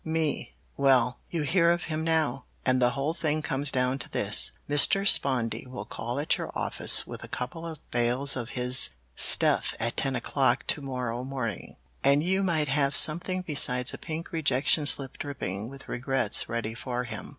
"Me Well, you hear of him now, and the whole thing comes down to this: Mr. Spondy will call at your office with a couple of bales of his stuff at ten o'clock to morrow morning, and you might have something besides a pink rejection slip dripping with regrets ready for him.